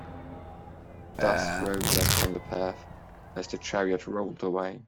Dust rose up from the path as the chariot rolled away.